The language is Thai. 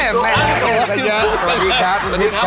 สวัสดีครับสวัสดีครับ